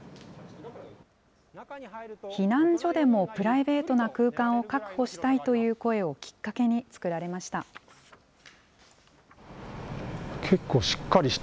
避難所でもプライベートな空間を確保したいという声をきっかけに作られました。